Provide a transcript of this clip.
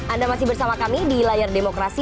anda masih bersama kami di layar demokrasi